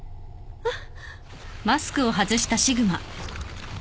あっ。